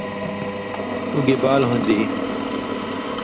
اُو گی بال ہُون٘دی یی!